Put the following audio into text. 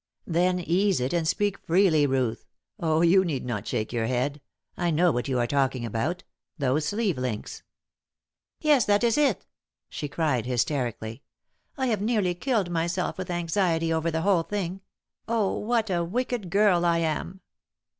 "Then ease it and speak freely, Ruth. Oh, you need not shake your head. I know what you are talking about those sleeve links." "Yes, that is it!" she cried hysterically. "I have nearly killed myself with anxiety over the whole thing. Oh, what a wicked girl I am!"